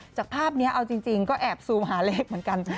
จากภาพนี้เอาจริงก็แอบซูมหาเลขเหมือนกัน